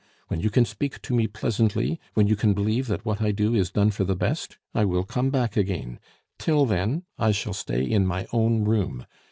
When you can speak to me pleasantly, when you can believe that what I do is done for the best, I will come back again. Till then I shall stay in my own room.